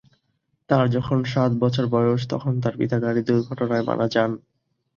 তার যখন সাত বছর বয়স, তখন তার পিতা গাড়ি দুর্ঘটনায় মারা যান।